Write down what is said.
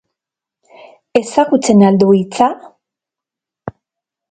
Ezagutzen al du hitza?.